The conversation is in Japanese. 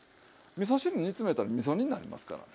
みそ汁煮詰めたらみそ煮になりますからね。